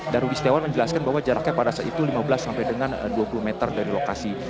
dan rudy setiawan menjelaskan bahwa jaraknya pada saat itu lima belas sampai dengan dua puluh meter dari lokasi